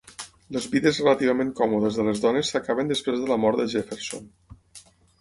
Les vides relativament còmodes de les dones s'acaben després de la mort de Jefferson.